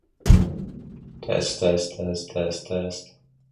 清水分局安寧派出所